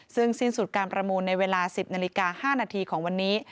ซึ่งสิ้นสุดการประมูลในเวลา๑๐นาฬิกา๕นาทีของวันนี้